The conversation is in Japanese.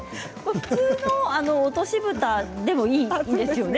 普通の落としぶたでもいいんですよね。